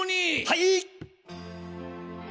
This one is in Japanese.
はい！